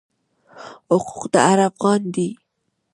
حقوق د هر افغان دی.